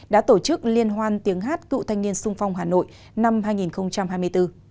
đã tổ chức liên hoan tiếng hát cựu thanh niên sung phong hà nội năm hai nghìn hai mươi bốn